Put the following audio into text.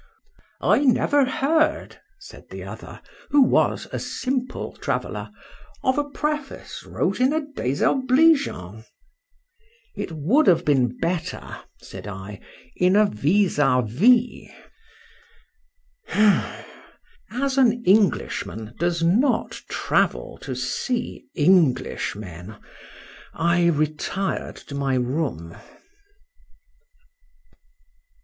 —I never heard, said the other, who was a Simple Traveller, of a preface wrote in a désobligeant.—It would have been better, said I, in a vis a vis. —As an Englishman does not travel to see Englishmen, I retired to my room.